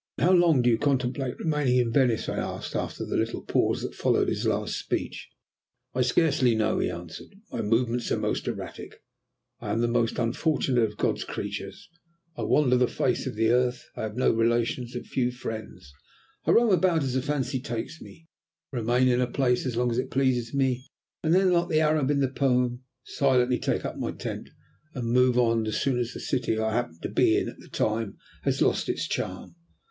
"How long do you contemplate remaining in Venice?" I asked, after the little pause that followed his last speech. "I scarcely know," he answered. "My movements are most erratic. I am that most unfortunate of God's creatures, a wanderer on the face of the earth. I have no relations and few friends. I roam about as the fancy takes me, remain in a place as long as it pleases me, and then, like the Arab in the poem, silently take up my tent and move on as soon as the city I happen to be in at the time has lost its charm.